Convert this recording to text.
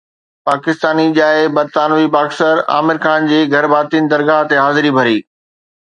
پاڪستاني ڄائي برطانوي باڪسر عامر خان جي گهرڀاتين درگاهه تي حاضري ڀري